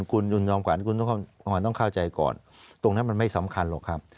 คุณต้องเข้าใจก่อนตรงนั้นมันไม่สำคัญหรอกครับ